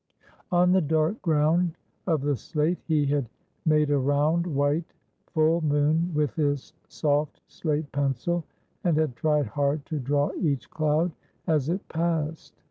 On the dark ground of the slate he had made a round, white, full moon with his soft slate pencil, and had tried hard to draw each cloud as it passed.